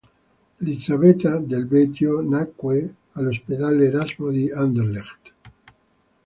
Elisabetta del Belgio nacque all'ospedale Erasmo di Anderlecht.